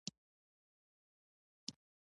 دښمن درباندې وژني.